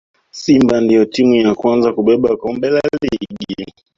simba ndiyo timu ya kwanza kubeba kombe la ligi